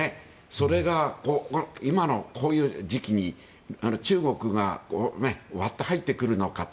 それが今のこういう時期に中国が割って入ってくるのかと。